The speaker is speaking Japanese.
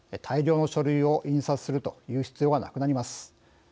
大量の書類を印刷するという必要はなくなります。